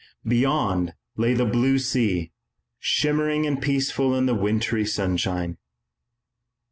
Beyond lay the blue sea, shimmering and peaceful in the wintry sunshine.